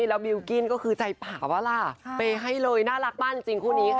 แล้วบิวกินก็คือใจป่าวว่าล่ะไปให้เลยน่ารักปั้นจริงคู่นี้ค่ะ